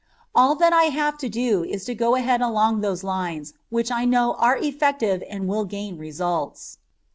All that I have to do is to go ahead along those lines which I know are effective and which will gain results.